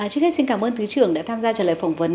trước hết xin cảm ơn thứ trưởng đã tham gia trả lời phỏng vấn